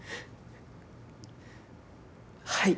はい。